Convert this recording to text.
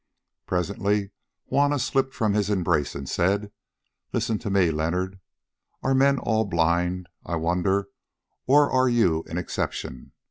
Presently Juanna slipped from his embrace and said, "Listen to me, Leonard: are men all blind, I wonder, or are you an exception?